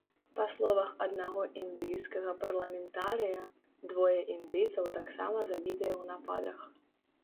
Па словах аднаго індыйскага парламентарыя, двое індыйцаў таксама забітыя ў нападах.